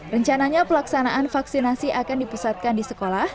rencananya pelaksanaan vaksinasi akan dipusatkan di sekolah